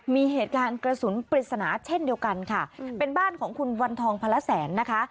มีเหตุการณ์กระสุนปริศนาเช่นเดียวกันค่ะเป็นบ้านของคุณวันทองพละแสนนะคะ